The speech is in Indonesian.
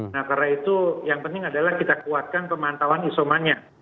nah karena itu yang penting adalah kita kuatkan pemantauan isomannya